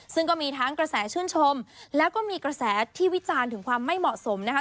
ซึ่งก็มีทั้งกระแสชื่นชมแล้วก็มีกระแสที่วิจารณ์ถึงความไม่เหมาะสมนะคะ